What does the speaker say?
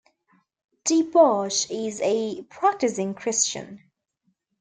DeBarge is a practicing Christian.